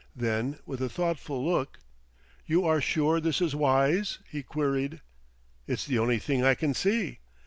Then, with a thoughtful look, "You are sure this is wise?" he queried. "It's the only thing I can see."